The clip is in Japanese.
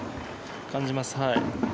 感じます。